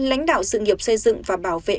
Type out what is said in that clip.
lãnh đạo sự nghiệp xây dựng và bảo vệ